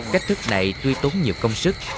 cách thức này tuy tốn nhiều công sức